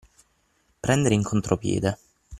Prendere in contropiede.